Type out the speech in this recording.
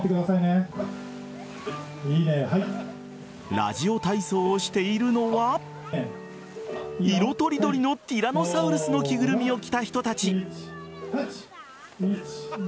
ラジオ体操をしているのは色とりどりのティラノサウルスの着ぐるみを着た人たち。